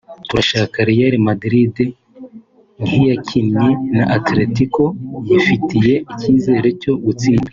turashaka Real Madrid nk’iyakinnye na Atletico yifitiye icyizere cyo gutsinda